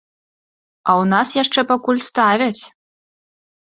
А ў нас яшчэ пакуль ставяць!